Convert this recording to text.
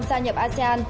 gia nhập asean